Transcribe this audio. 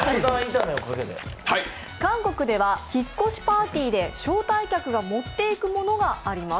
韓国では引っ越しパーティーで招待客が持っていくものがあります。